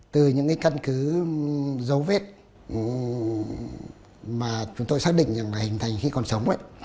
từ những cái căn cứ dấu vết mà chúng tôi xác định là hình thành khi còn sống